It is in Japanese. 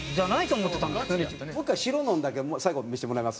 もう一回白のだけ最後見せてもらいます？